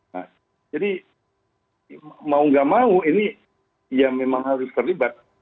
nah jadi mau nggak mau ini ya memang harus terlibat